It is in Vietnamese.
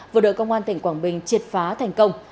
vừa đợi công an tỉnh quảng bình triệt phá thành công